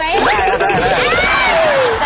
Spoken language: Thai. ได้แล้วได้แล้ว